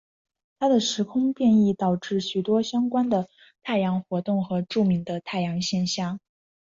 他的时空变异导致许多相关的太阳活动和著名的太阳现象。